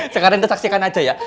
sekarang kita saksikan aja ya